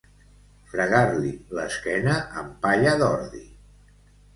Fregar-li l'esquena amb palla d'ordi.